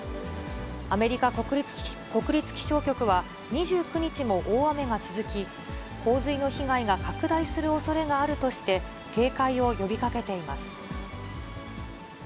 アメリカ国立気象局は、２９日も大雨が続き、洪水の被害が拡大するおそれがあるとして、警戒を呼びかけています。